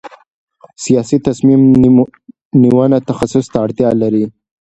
سیاسي تصمیم نیونه تخصص ته اړتیا لري